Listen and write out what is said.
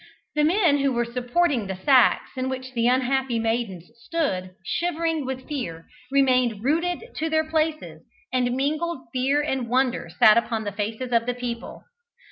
The men who were supporting the sacks in which the unhappy maidens stood, shivering with fear, remained rooted to their places, and mingled fear and wonder sat upon the faces of the people.